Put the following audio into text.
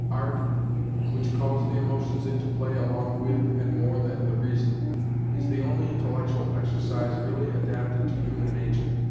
Art, which calls the emotions into play along with and more than the reason, is the only intellectual exercise really adapted to human nature.